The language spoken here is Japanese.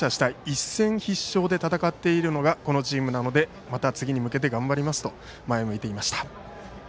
一戦必勝で戦っているのがこのチームなのでまた次に向けて頑張りますと前を向いていました。